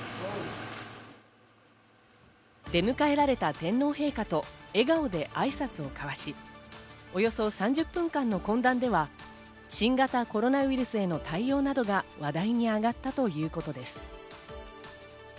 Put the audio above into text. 出迎えられた天皇陛下と笑顔で挨拶を交わし、およそ３０分間の懇談では新型コロナウイルスへの対応などが話題に上がったということです。